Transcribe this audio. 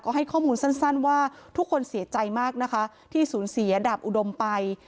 ให้ข้อมูลสั้นว่าทุกคนเสียใจมากนะคะที่สูญเสียดาบอุดมไป